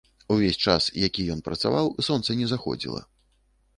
Увесь час, які ён працаваў, сонца не заходзіла.